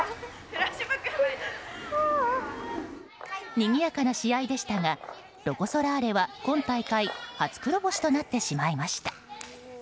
にぎやかな試合でしたがロコ・ソラーレは今大会初黒星となってしまいました。